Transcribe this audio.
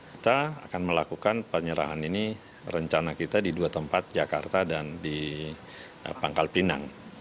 kita akan melakukan penyerahan ini rencana kita di dua tempat jakarta dan di pangkal pinang